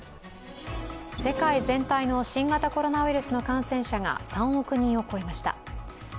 世界全体の新型コロナウイルスの感染者が３億人を超えました。